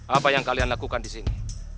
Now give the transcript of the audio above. apa yang kalian lakukan disini